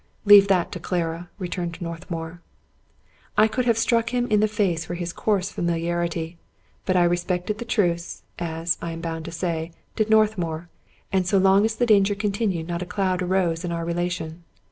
" Leave that to Clara," returned Northmour. I could have struck him in the face for his coarse famil iarity ; but I respected the truce, as, I am bound to say, did Northmour, and so long as the danger continued not a cloud arose in our relation.